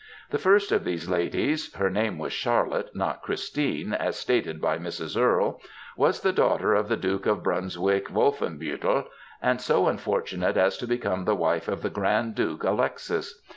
The first of these ladies (her name was Charlotte, not Christine, as stated by Mrs. Earle), was the daughter of the Duke of Brunswick Wolfenbilttel, and so unfortunate as to become the wife of the Grand Duke Alexis.